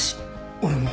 俺も。